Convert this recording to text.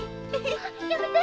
やめて！